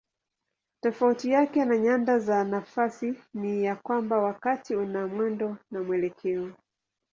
Tofauti yake na nyanda za nafasi ni ya kwamba wakati una mwendo na mwelekeo.